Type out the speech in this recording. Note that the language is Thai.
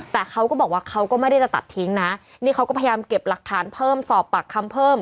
แต่เขาก็บอกว่าเขาก็ไม่ได้จะตัดทิ้งนะนี่เขาก็พยายามเก็บหลักฐานเพิ่มสอบปากคำเพิ่ม